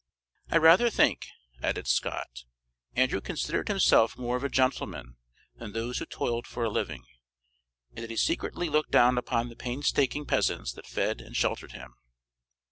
"I rather think," added Scott, "Andrew considered himself more of a gentleman than those who toiled for a living, and that he secretly looked down upon the painstaking peasants that fed and sheltered him."